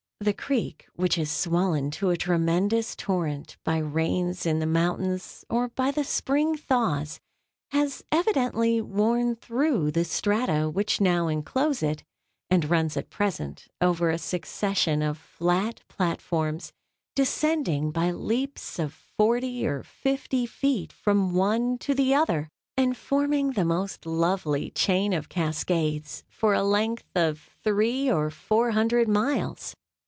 The Creek, which is swollen to a tremendous torrent by rains in the mountains, or by the spring thaws, has evidently worn through the strata which now enclose it, and runs at present over a succession of flat platforms, descending by leaps of forty or fifty feet from one to the other, and forming the most lovely chain of cascades for a length of three or four hundred miles.